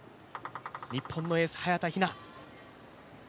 日本のエース、早田ひな